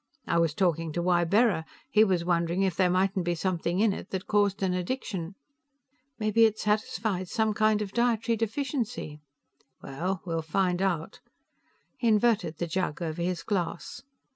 I was talking to Ybarra; he was wondering if there mightn't be something in it that caused an addiction." "Maybe it satisfies some kind of dietary deficiency." "Well, we'll find out." He inverted the jug over his glass.